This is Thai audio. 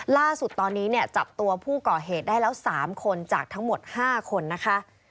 ล่าสุดตอนนี้เนี่ยจับตัวผู้ก่อเหตุได้แล้ว๓คนจากทั้งหมด๕คนนะคะ